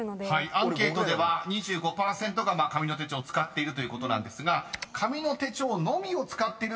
［アンケートでは２５％が紙の手帳を使っているということですが紙の手帳のみを使っているという人は６％なんですね］